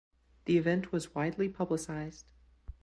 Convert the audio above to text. The event was widely publicized.